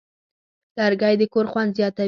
لرګی د کور خوند زیاتوي.